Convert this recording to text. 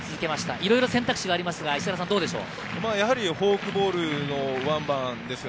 いろいろ選択肢がありますが、いかがでしょう？